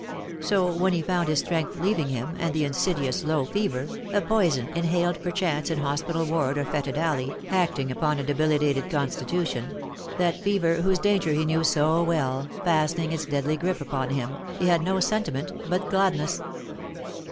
So when he found his strength leaving him, and the insidious low fever — a poison, inhaled perchance in hospital ward or fetid alley, acting upon a debilitated constitution — that fever whose danger he knew so well, fastening its deadly grip upon him, he had no sentiment but gladness.